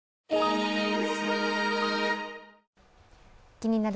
「気になる！